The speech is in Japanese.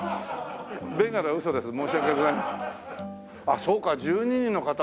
あっそうか１２人の方。